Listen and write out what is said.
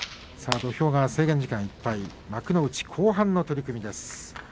土俵が制限時間いっぱい幕内後半の取組です。